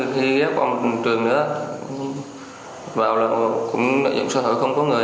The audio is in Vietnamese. khi ghé vào trường nữa vào là cũng lợi dụng sở hữu không có người